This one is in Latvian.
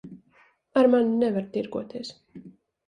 Ar mani nevar tirgoties.